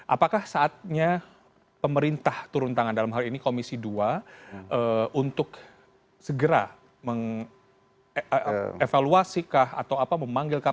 apakah saatnya pemerintah turun tangan dalam hal ini komisi dua untuk segera evaluasikah atau memanggil kpu kah